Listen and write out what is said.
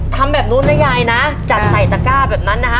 ทำแบบนู้นนะยายนะจัดใส่ตะก้าแบบนั้นนะฮะ